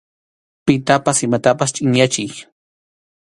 Pitapas imatapas chʼinyachiy.